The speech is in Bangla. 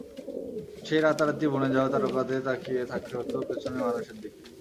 সেই রাতারাতি বনে যাওয়া তারকাদের তাকিয়ে থাকতে হতো পেছনের মানুষের দিকে।